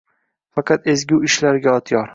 Faqat ezgu ishlar yodgor